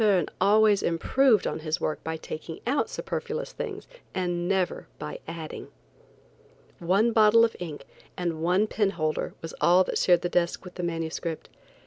Verne always improved his work by taking out superfluous things and never by adding. One bottle of ink and one penholder was all that shared the desk with the manuscript.